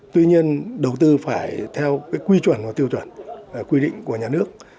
tuy nhiên đầu tư phải theo quy chuẩn và tiêu chuẩn quy định của nhà nước